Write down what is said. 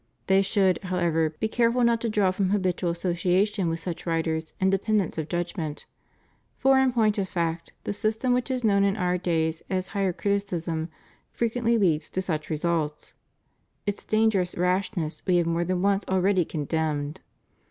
They should, however, be careful not to draw from habitual association with such writers independence of judgment, for in point of fact the system which is known in our days as higher criticism frequently leads to such results. Its dangerous rashness We have more than once already condemned.